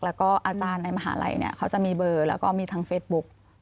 แล้วก็อาจารย์ในมหาลัยเนี่ยเขาจะมีเบอร์แล้วก็มีทางเฟซบุ๊ก